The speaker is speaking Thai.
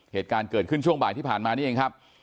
เหตุการณ์เกิดขึ้นช่วงบ่ายที่ผ่านมานี่เองครับ